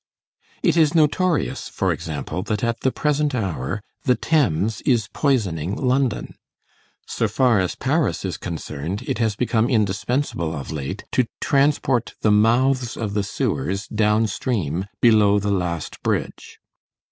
It is notorious, for example, that at the present hour, the Thames is poisoning London. So far as Paris is concerned, it has become indispensable of late, to transport the mouths of the sewers downstream, below the last bridge.